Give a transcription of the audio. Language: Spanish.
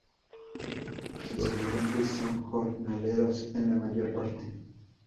Sus habitantes son jornaleros en la mayor parte.